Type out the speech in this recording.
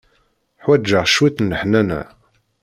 Ḥwaǧeɣ cwiṭ n leḥnana.